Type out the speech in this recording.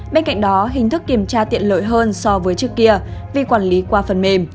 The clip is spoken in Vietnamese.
bên cạnh đó hình thức kiểm tra tiện lợi hơn so với trước kia vì quản lý qua phần mềm